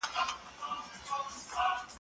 څه شی قونسلګري له لوی ګواښ سره مخ کوي؟